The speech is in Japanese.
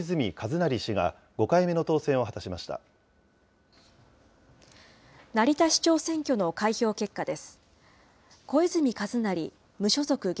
成田市長選挙の開票結果です。